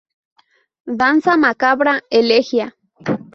Danza Macabra, elegía.